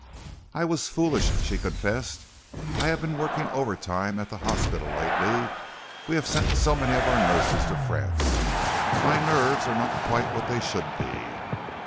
"I was foolish," she confessed. "I have been working overtime at the hospital lately we have sent so many of our nurses to France. My nerves are not quite what they should be."